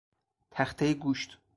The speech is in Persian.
تخته گوشت